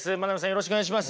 よろしくお願いします。